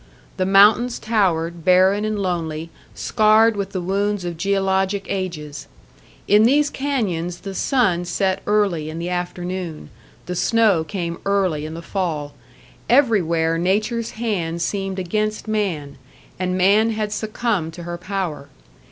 The mountains towered, barren and lonely, scarred with the wounds of geologic ages. In these canyons the sun set early in the afternoon, the snow came early in the fall; everywhere Nature's hand seemed against man, and man had succumbed to her power.